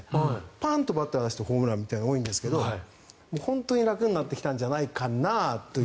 パンとバットを出してホームランが多いんですけど本当に楽になってきたんじゃないかなという。